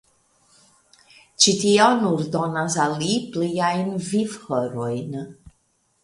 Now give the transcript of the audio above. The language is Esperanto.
Ĉi tio nur donas al li pliajn vivhorojn.